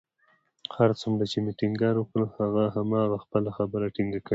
هر څومره چې مې ټينګار وکړ، هغه همهغه خپله خبره ټینګه کړې وه